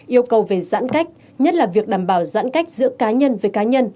yêu cầu về giãn cách nhất là việc đảm bảo giãn cách giữa cá nhân với cá nhân